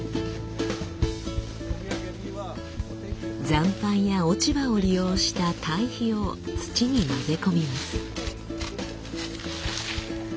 残飯や落ち葉を利用した堆肥を土に混ぜ込みます。